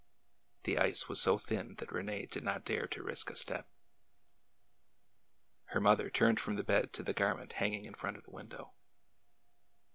The ice was so thin that Rene did not dare to risk a step. Her mother turned from the bed to the garment hang ing in front of the window.